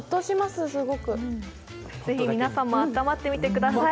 ぜひ皆さんも温まってみてください。